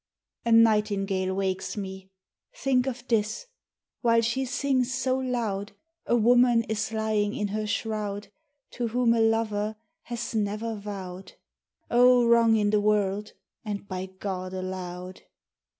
79 A NIGHTINGALE wakes me. Think of this !■ While she sings so loud, A woman is lying in her shroud To whom a lover has never vowed : O wrong in the world, and by God allowed